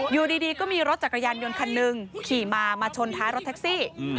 อยู่ดีก็มีรถจักรยานยนต์คันหนึ่งขี่มามาชนท้ายรถแท็กซี่